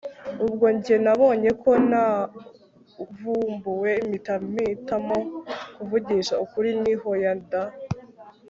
ubwo njye nabonye ko navumbuwe mpita mpitamo kuvugisha ukuri nti hoya da